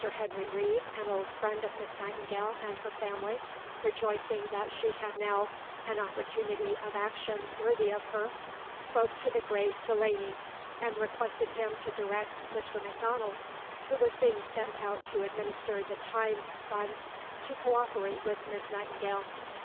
Henry Reeve, an old friend of Miss Nightingale and her family, rejoicing that she had now "an opportunity of action worthy of her," spoke to the great Delane, and requested him to direct Mr. Macdonald who was being sent out to administer the Times Fund to co operate with Miss Nightingale.